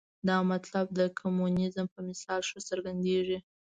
دا مطلب د کمونیزم په مثال ښه څرګندېږي.